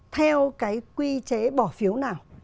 theo cái quy chế bỏ phiếu nào